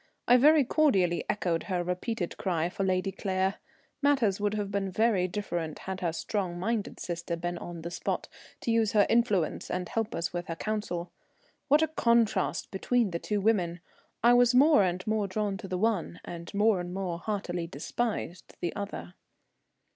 I very cordially echoed her repeated cry for Lady Claire. Matters would have been very different had her strong minded sister been on the spot to use her influence and help us with her counsel. What a contrast between the two women! I was more and more drawn to the one, and more and more heartily despised the other.